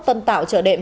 tân tạo trợ đệm